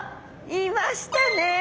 いましたね！